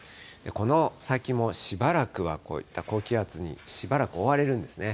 この先もしばらくはこういった高気圧に、しばらく覆われるんですね。